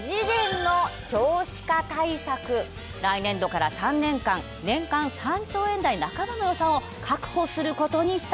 来年度から３年間年間３兆円台半ばの予算を確保することにしたんです。